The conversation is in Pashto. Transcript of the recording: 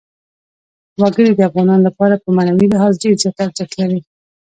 وګړي د افغانانو لپاره په معنوي لحاظ ډېر زیات ارزښت لري.